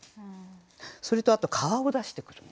それとあと「川」を出してくるんですよ。